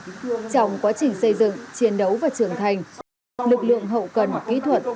trong quá trình xây dựng chiến đấu và trưởng thành lực lượng hậu cần kỹ thuật